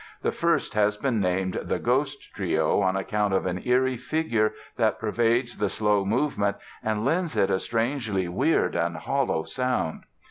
The first has been named the "Ghost" Trio on account of an eerie figure that pervades the slow movement and lends it a strangely weird and hollow sound.